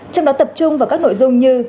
trong đó tập trung vào các nội dung như